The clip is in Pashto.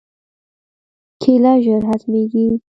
کېله ژر هضمېږي.